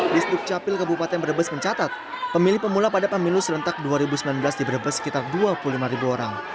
disduk capil kebupaten brebes mencatat pemilik pemula pada pemilu serentak dua ribu sembilan belas di brebes sekitar dua puluh lima orang